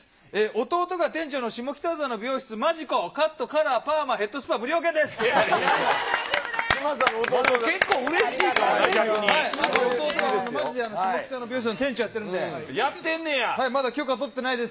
弟が店長の下北沢の美容室、マジコ、カット、カラー、パーマ、ヘッドスパ、無料券です。